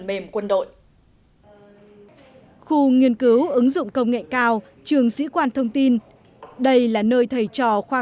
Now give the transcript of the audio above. mềm quân đội khu nghiên cứu ứng dụng công nghệ cao trường sĩ quan thông tin đây là nơi thầy trò khoa